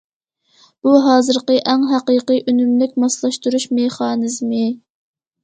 بۇ ھازىرقى ئەڭ ھەقىقىي، ئۈنۈملۈك ماسلاشتۇرۇش مېخانىزمى.